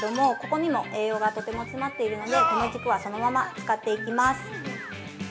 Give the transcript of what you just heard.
ここにも栄養がとても詰まっているので、この軸はそのまま使っていきます。